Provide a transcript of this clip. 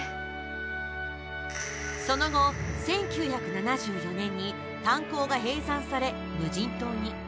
その後、１９７４年に炭鉱が閉山され無人島に。